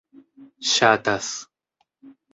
ŝatas